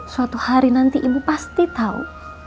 suatu hari nanti ibu pasti tahu